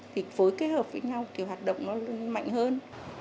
thì phối kết hợp với nhau thì hoạt động nó mạnh hơn